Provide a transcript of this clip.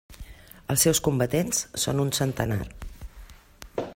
Els seus combatents són un centenar.